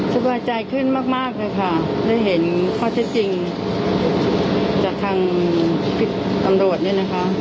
สบายใจขึ้นมากมากเลยค่ะได้เห็นข้อเท็จจริงจากทางพี่ตำรวจเนี่ยนะคะ